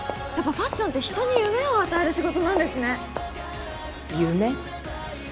やっぱファッションって人に夢を与える仕事なんですね夢？